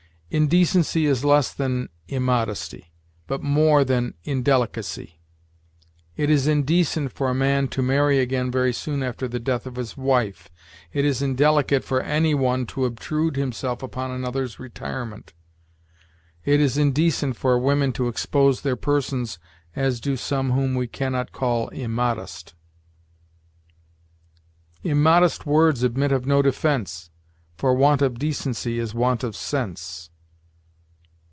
Indecency is less than immodesty, but more than indelicacy." It is indecent for a man to marry again very soon after the death of his wife. It is indelicate for any one to obtrude himself upon another's retirement. It is indecent for women to expose their persons as do some whom we can not call immodest. "Immodest words admit of no defense, For want of decency is want of sense."